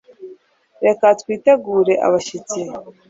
reka twitegure abashyitsi